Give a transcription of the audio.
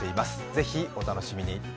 ぜひお楽しみに。